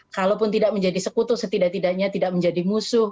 kalaupun tidak menjadi sekutu setidak tidaknya tidak menjadi musuh